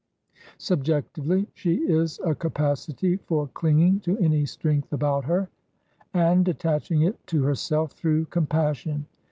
Subjectively, she is a capacity for clinging to any strength about her, and attaching it to herself through compassion.